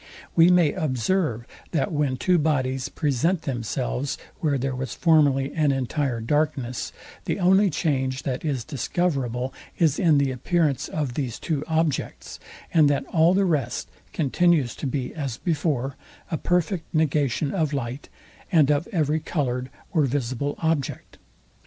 We may observe, that when two bodies present themselves, where there was formerly an entire darkness, the only change, that is discoverable, is in the appearance of these two objects, and that all the rest continues to be as before, a perfect negation of light, and of every coloured or visible object.